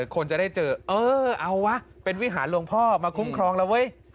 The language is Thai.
คนจะได้เจอเออเอาวะเป็นวิหารหลวงพ่อมาคุ้มครองแล้วเว้ย